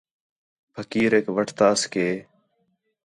پھقیریک وٹھتاس کہ